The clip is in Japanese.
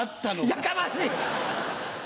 やかましい！